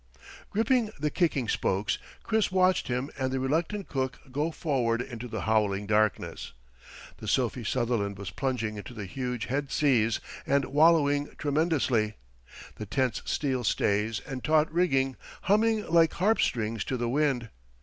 Gripping the kicking spokes, Chris watched him and the reluctant cook go forward into the howling darkness. The Sophie Sutherland was plunging into the huge head seas and wallowing tremendously, the tense steel stays and taut rigging humming like harp strings to the wind.